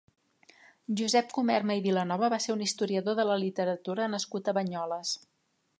Josep Comerma i Vilanova va ser un historiador de la literatura nascut a Banyoles.